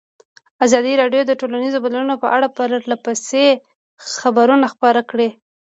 ازادي راډیو د ټولنیز بدلون په اړه پرله پسې خبرونه خپاره کړي.